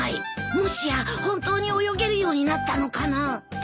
もしや本当に泳げるようになったのかな。